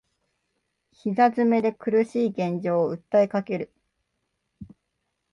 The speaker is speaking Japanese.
膝詰めで苦しい現状を訴えかける